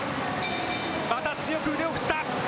また強く腕を振った。